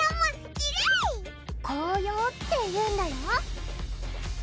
きれい紅葉っていうんだよ